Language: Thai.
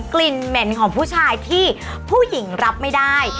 กลิ่นเหม็นของผู้ชายที่ผู้หญิงรับไม่ได้